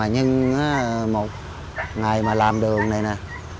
nhưng một ngày mà làm đường này nè